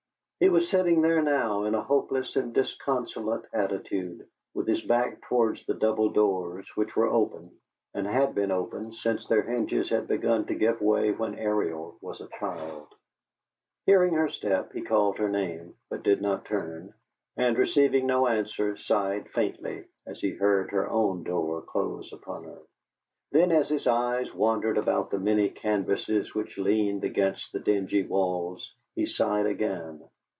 He was sitting there now, in a hopeless and disconsolate attitude, with his back towards the double doors, which were open, and had been open since their hinges had begun to give way, when Ariel was a child. Hearing her step, he called her name, but did not turn; and, receiving no answer, sighed faintly as he heard her own door close upon her. Then, as his eyes wandered about the many canvases which leaned against the dingy walls, he sighed again.